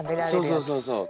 そうそうそうそう。